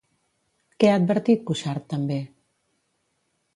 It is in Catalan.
Què ha advertit Cuixart també?